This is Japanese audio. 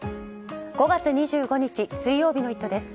５月２５日、水曜日の「イット！」です。